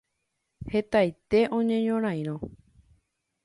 Hetaite oñeñorãirõ.